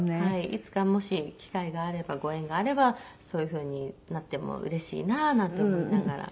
いつかもし機会があればご縁があればそういう風になってもうれしいななんて思いながら。